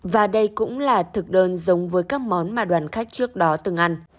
và đây cũng là thực đơn giống với các món mà đoàn khách trước đó từng ăn